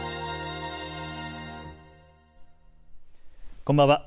こんばんは。